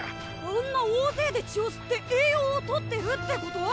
あんな大勢で血を吸って栄養をとってるってこと？